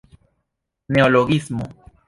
neologismo